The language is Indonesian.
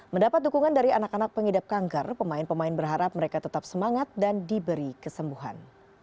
mendapat dukungan dari anak anak pengidap kanker pemain pemain berharap mereka tetap semangat dan diberi kesembuhan